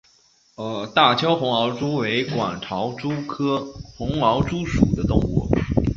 大邱红螯蛛为管巢蛛科红螯蛛属的动物。